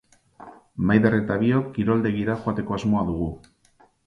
Maider eta biok kiroldegira joateko asmoa dugu.